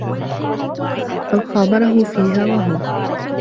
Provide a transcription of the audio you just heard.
أَوْ خَامَرَهُ فِيهَا وَهْمٌ